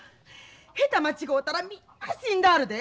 下手間違うたらみんな死んだあるで。